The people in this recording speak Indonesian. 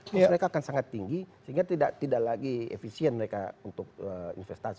cost mereka akan sangat tinggi sehingga tidak lagi efisien mereka untuk investasi